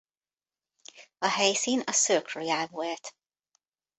A helyszín a Cirque Royal volt.